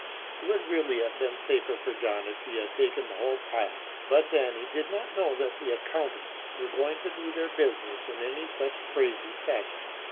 It would really have been safer for John if he had taken the whole pile, but then he did not know that the accountants were going to do their business in any such crazy fashion.